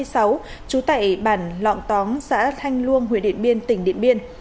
trú tại bản lọng tóm xã thanh luông huyện điện biên tỉnh điện biên